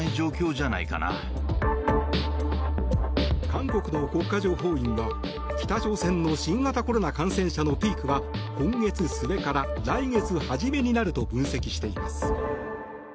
韓国の国家情報院は北朝鮮の新型コロナ感染者のピークは今月末から来月初めになると分析しています。